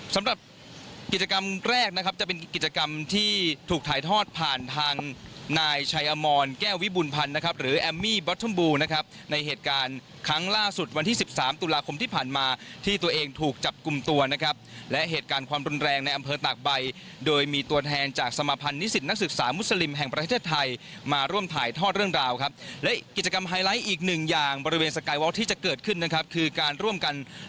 สำหรับกิจกรรมแรกนะครับจะเป็นกิจกรรมที่ถูกถ่ายทอดผ่านทางนายชายอมมอนแก้ววิบุลพันธุ์นะครับหรือแอมมี่บอททมบูลนะครับในเหตุการณ์ครั้งล่าสุดวันที่๑๓ตุลาคมที่ผ่านมาที่ตัวเองถูกจับกลุ่มตัวนะครับและเหตุการณ์ความดุลแรงในอำเภอตากใบโดยมีตัวแทนจากสมาภัณฑ์นิสิตนักศึก